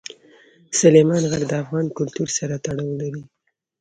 سلیمان غر د افغان کلتور سره تړاو لري.